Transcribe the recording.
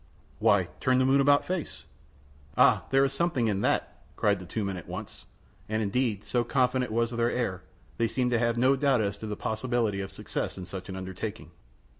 "Why, turn the moon about face." "Ah, there's something in that," cried the two men at once. And indeed, so confident was their air, they seemed to have no doubt as to the possibility of success in such an undertaking.